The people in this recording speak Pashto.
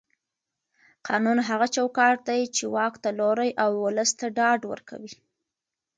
قانون هغه چوکاټ دی چې واک ته لوری او ولس ته ډاډ ورکوي